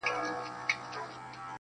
خلک خپل ژوند ته ځي-